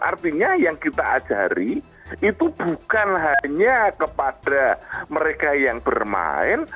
artinya yang kita ajari itu bukan hanya kepada mereka yang bermain